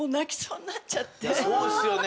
そうですよね。